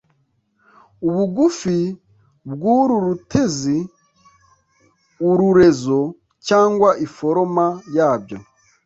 ubugufi bw'u rutezi ( u rurezo) cyangwa iforoma yabyo.